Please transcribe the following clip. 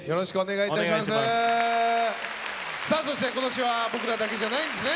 さあそして今年は僕らだけじゃないんですね！